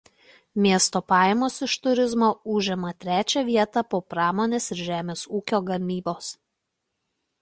Miesto pajamos iš turizmo užima trečią vietą po pramonės ir žemės ūkio gamybos.